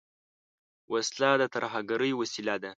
وسله د ترهګرۍ وسیله ده